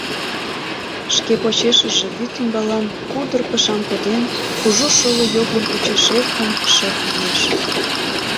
Шке почешыже вӱд ӱмбалан кудыр кышам коден, кужу шоло йогын почеш эркын, шып иеш.